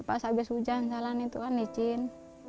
pas habis hujan jalan itu kan izin